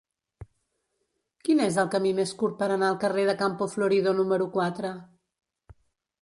Quin és el camí més curt per anar al carrer de Campo Florido número quatre?